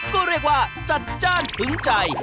ก็เรียกว่าจัดจ้านถึงใจ